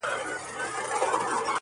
غمی ورک سو د سړي پر سترګو شپه سوه,